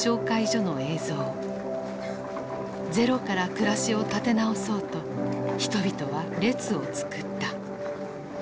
ゼロから暮らしを立て直そうと人々は列を作った。